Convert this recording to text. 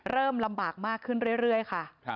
ลำบากมากขึ้นเรื่อยค่ะ